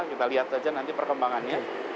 kita lihat saja nanti perkembangannya